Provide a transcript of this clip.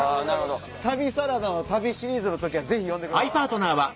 『旅サラダ』の旅シリーズの時はぜひ呼んでください。